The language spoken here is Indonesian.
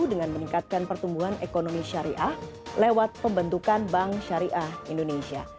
dengan meningkatkan pertumbuhan ekonomi syariah lewat pembentukan bank syariah indonesia